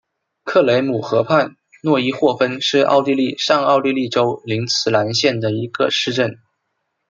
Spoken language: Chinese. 克雷姆河畔诺伊霍芬是奥地利上奥地利州林茨兰县的一个市镇。